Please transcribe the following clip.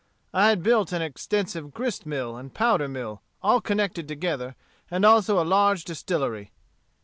I had built an extensive grist mill and powder mill, all connected together, and also a large distillery.